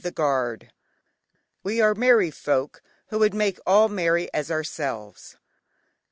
THE BURMESE. "We are merry folk who would make all merry as ourselves."